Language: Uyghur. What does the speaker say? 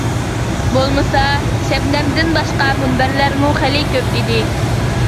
بولمىسا، شەبنەمدىن باشقا مۇنبەرلەرمۇ خېلى كۆپ ئىدى.